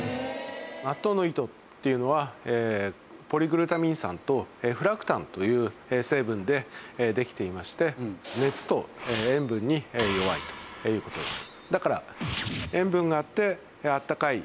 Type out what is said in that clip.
納豆の糸っていうのはポリグルタミン酸とフラクタンという成分でできていまして熱と塩分に弱いという事です。